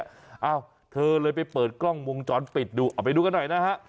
เอ้าเธอเลยไปเปิดกล้องวงจรปิดดูเอาไปดูกันหน่อยนะฮะ